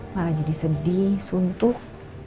malah jadi sedih suntuk